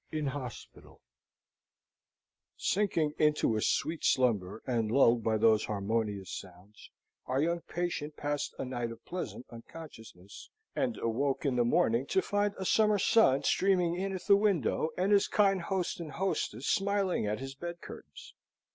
In Hospital Sinking into a sweet slumber, and lulled by those harmonious sounds, our young patient passed a night of pleasant unconsciousness, and awoke in the morning to find a summer sun streaming in at the window, and his kind host and hostess smiling at his bed curtains.